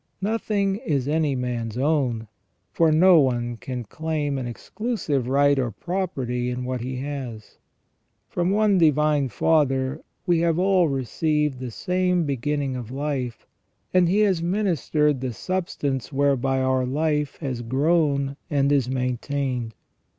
Nothing is any man's own, for no one can claim an exclusive right or property in what he has. From one Divine Father we have all received the same beginning of life, and He has ministered the substance whereby our life has grown and is maintained.